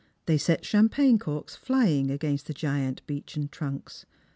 They set champagne corks flying against the giant beechen trunks.